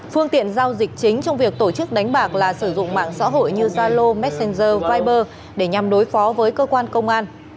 phương tiện giao dịch chính trong việc tổ chức đánh bạc là sử dụng mạng xã hội như zalo messenger viber để nhằm đối phó với cơ quan công an